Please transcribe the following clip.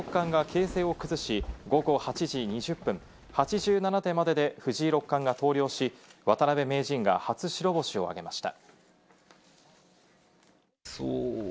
対局では昼食休憩後の攻防の中で藤井六冠が形勢を崩し、午後８時２０分、８７手までで藤井六冠が投了し、渡辺名人が初白星を挙げました。